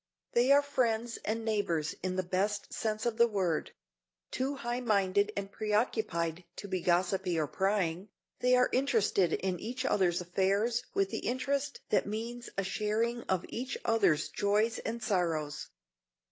They are friends and neighbors in the best sense of the word; too high minded and preoccupied to be gossipy or prying, they are interested in each other's affairs with the interest that means a sharing of each other's joys and sorrows.